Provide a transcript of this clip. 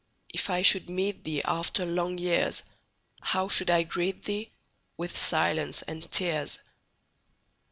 If I should meet theeAfter long years, How should I greet thee?—With silence and tears.